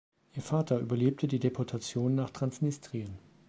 Ihr Vater überlebte die Deportation nach Transnistrien.